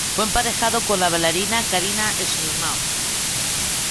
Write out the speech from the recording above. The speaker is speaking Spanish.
Fue emparejado con la bailarina Karina Smirnoff.